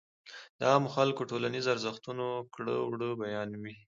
د عامو خلکو ټولنيز ارزښتونه ،کړه وړه بيان وي.